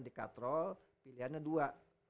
di katrol pilihannya dua